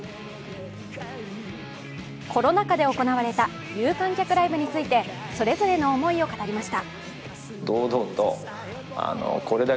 コロナ禍で行われた有観客ライブについてそれぞれの思いを語りました。